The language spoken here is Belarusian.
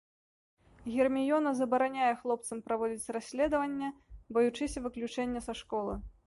Герміёна забараняе хлопцам праводзіць расследаванне, баючыся выключэння са школы.